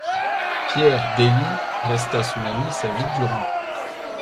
Pierre d'Ailly resta son ami sa vie durant.